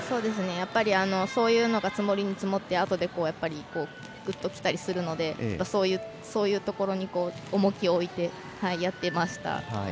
やっぱりそういうのが積もりに積もってあとで、ぐっときたりするのでそういうところに重きを置いてやっていました。